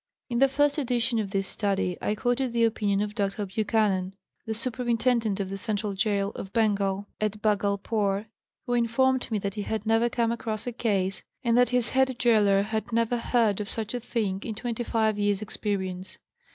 In the first edition of this Study I quoted the opinion of Dr. Buchanan, then Superintendant of the Central Gaol of Bengal at Bhagalpur, who informed me that he had never come across a case and that his head gaoler had never heard of such a thing in twenty five years' experience.